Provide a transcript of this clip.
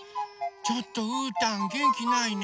ちょっとうーたんげんきないね。